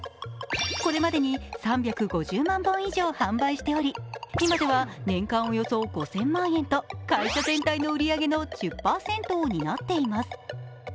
これまでに３５０万本以上販売しており、今では年間およそ５０００万円と会社全体の売り上げの１０％を担っています。